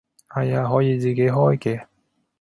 係啊，可以自己開嘅